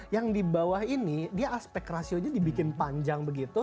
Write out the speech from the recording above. yang di bawah ini dia aspek rasionya dibikin panjang begitu